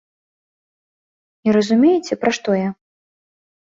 Не разумееце, пра што я?